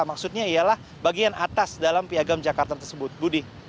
maksudnya ialah bagian atas dalam piagam jakarta tersebut budi